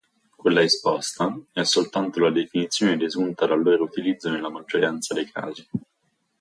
Quella esposta è soltanto la definizione desunta dal loro utilizzo nella maggioranza dei casi.